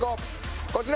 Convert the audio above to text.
こちら！